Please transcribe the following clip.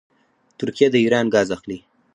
ترکیه د ایران ګاز اخلي.